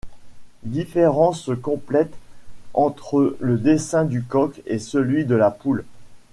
Différence complète entre le dessin du coq et celui de la poule.